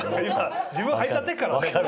今自分はいちゃってるからね。